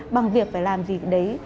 bằng việc phải làm gì đấy